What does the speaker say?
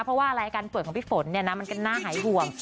เพราะว่ารายการปล่วยของพี่ฝนมันก็น่าหายห่วง